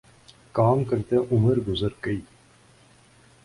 کام کرتے عمر گزر گئی